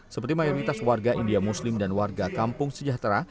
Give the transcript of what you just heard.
seperti mayoritas warga india muslim dan warga kampung sejahtera